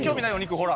ほら。